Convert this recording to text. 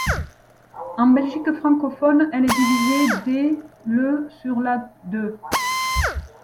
En Belgique francophone, elle est diffusée dès le sur La Deux.